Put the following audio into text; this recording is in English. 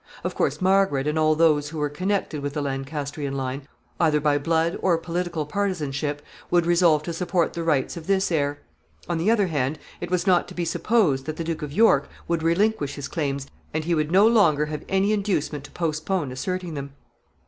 Of course Margaret, and all those who were connected with the Lancastrian line, either by blood or political partisanship, would resolve to support the rights of this heir. On the other hand, it was not to be supposed that the Duke of York would relinquish his claims, and he would no longer have any inducement to postpone asserting them.